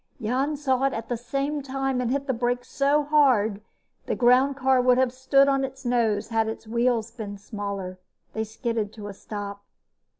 _" Jim saw it at the same time and hit the brakes so hard the groundcar would have stood on its nose had its wheels been smaller. They skidded to a stop.